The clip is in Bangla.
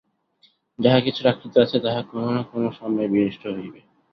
যাহা কিছুর আকৃতি আছে, তাহা কোন না কোন সময়ে বিনষ্ট হইবে।